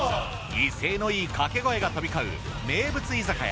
威勢のいい掛け声が飛び交う名物居酒屋